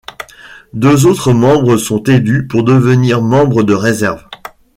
Deux autres membres sont élus pour devenir membres de réserve.